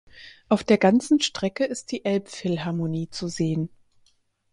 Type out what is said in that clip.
Auf der ganzen Strecke ist die Elbphilharmonie zu sehen.